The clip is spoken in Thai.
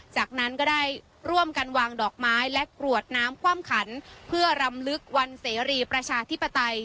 จากนั้นก็ได้ร่วมกันวางดอกไม้และกรวดน้ำคว่ำขันเพื่อรำลึกวันเสรีประชาธิปไตย